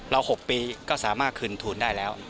๖ปีก็สามารถคืนทุนได้แล้ว